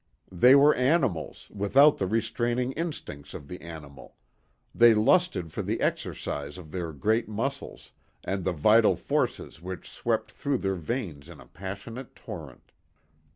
They were animals without the restraining instincts of the animal, they lusted for the exercise of their great muscles, and the vital forces which swept through their veins in a passionate torrent.